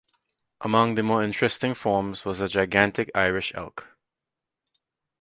Among the more interesting forms was the gigantic Irish elk.